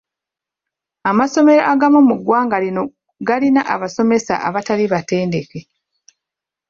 Amasomero agamu mu ggwanga lino galina abasomesa abatali batendeke.